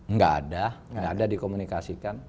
enggak ada enggak ada dikomunikasikan